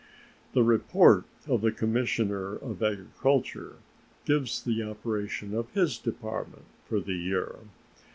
The report of the Commissioner of Agriculture gives the operations of his Department for the year.